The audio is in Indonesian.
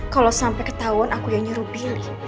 kalau sampai ketahuan aku ya nyuruh billy